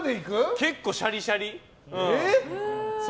結構シャリシャリ。